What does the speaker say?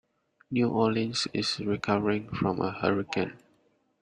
New Orleans is recovering from a hurricane.